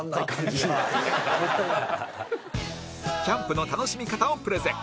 キャンプの楽しみ方をプレゼン